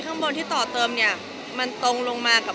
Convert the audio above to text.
ถ้าต่อเติมเนี่ยมันตรงลงมากับ